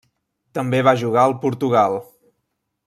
També va jugar al Portugal.